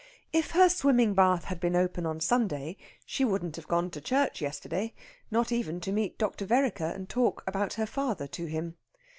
If her swimming bath had been open on Sunday, she wouldn't have gone to church yesterday, not even to meet Dr. Vereker and talk about her father to him.